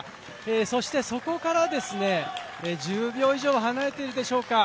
そしてそこから１０秒以上離れているでしょうか。